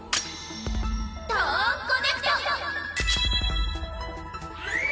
トーンコネクト！